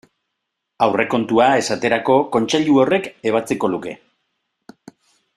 Aurrekontua, esaterako, Kontseilu horrek ebatziko luke.